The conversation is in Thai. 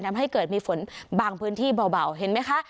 ทำให้เกิดมีฝนบางพื้นที่เบาเห็นไหมคะ